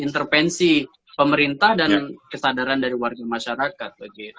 intervensi pemerintah dan kesadaran dari warga masyarakat